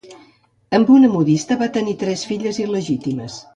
Amb una modista va tenir tres filles il·legítimes.